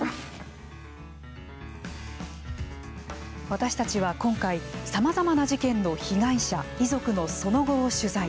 私たちは今回さまざまな事件の被害者・遺族のその後を取材。